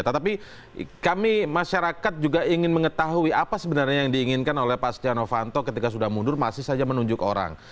tetapi kami masyarakat juga ingin mengetahui apa sebenarnya yang diinginkan oleh pak setia novanto ketika sudah mundur masih saja menunjuk orang